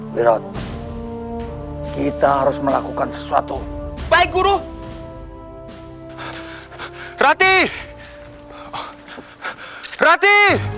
wirot kita harus melakukan sesuatu baik guru rati rati